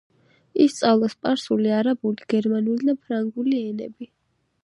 ისწავლა სპარსული, არაბული, გერმანული და ფრანგული ენები.